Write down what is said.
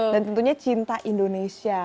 dan tentunya cinta indonesia